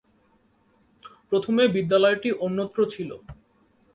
প্রথমে বিদ্যালয়টি অন্যত্র ছিল।